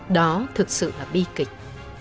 đó thực sự là bi kịch